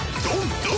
「ドン！